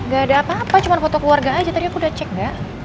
gak ada apa apa cuma foto keluarga aja tadi aku udah cek dah